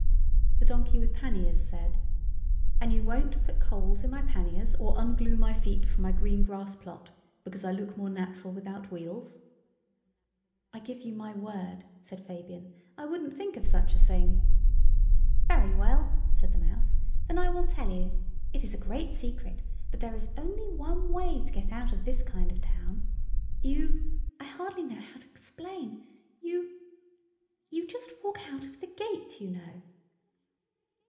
The donkey with panniers said— "And you won't put coals in my panniers or unglue my feet from my green grass plot because I look more natural without wheels?" "I give you my word," said Fabian, "I wouldn't think of such a thing." "Very well," said the Mouse, "then I will tell you. It is a great secret, but there is only one way to get out of this kind of town. You—I hardly know how to explain—you—you just walk out of the gate, you know."